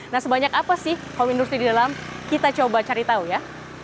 nah sebanyak apa sih home industry di dalam kita coba cari tahu ya